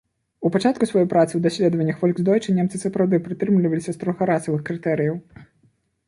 У пачатку сваёй працы ў даследаваннях фольксдойчэ немцы сапраўды прытрымліваліся строга расавых крытэрыяў.